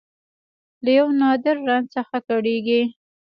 له یو نادر رنځ څخه کړېږي